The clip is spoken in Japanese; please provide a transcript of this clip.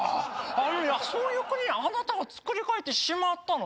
あのねそういうにあなたが作り変えてしまったの。